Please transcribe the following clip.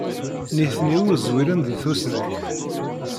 Nitni ur ẓwiren deg tusnakt.